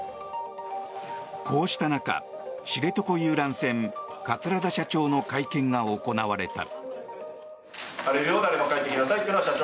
こうした中、知床遊覧船桂田社長の会見が行われた。